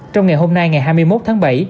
trong ngày hôm nay ngày hai mươi một tháng bảy